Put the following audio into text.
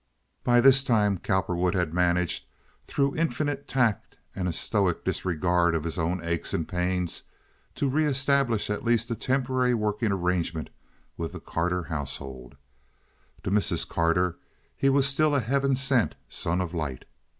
By this time Cowperwood had managed through infinite tact and a stoic disregard of his own aches and pains to re establish at least a temporary working arrangement with the Carter household. To Mrs. Carter he was still a Heaven sent son of light.